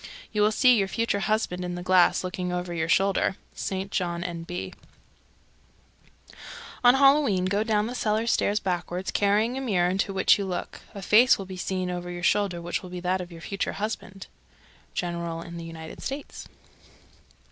You will see your future husband in the glass, looking over your shoulder. St. John, N.B. 313. On Halloween go down the cellar stairs backward, carrying a mirror into which you look. A face will be seen over your shoulder which will be that of your future husband. _General in the United States.